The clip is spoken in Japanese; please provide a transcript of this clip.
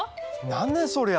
何ねそりゃ！